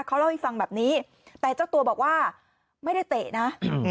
เขาเล่าให้ฟังแบบนี้แต่เจ้าตัวบอกว่าไม่ได้เตะนะ